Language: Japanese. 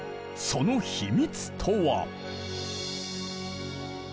その秘密とは？